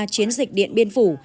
chiến dịch điện biên phủ